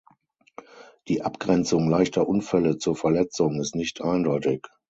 Die Abgrenzung leichter Unfälle zur Verletzung ist nicht eindeutig.